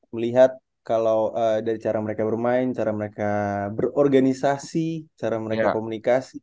melihat kalau dari cara mereka bermain cara mereka berorganisasi cara mereka komunikasi